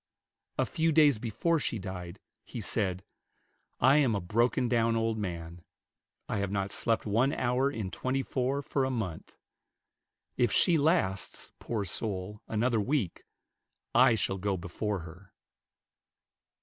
A few days before she died, he said, "I am a broken down old man. I have not slept one hour in twenty four for a month. If she lasts, poor soul, another week, I shall go before her."